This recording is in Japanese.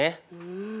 うん。